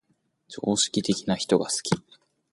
常識的な人が好き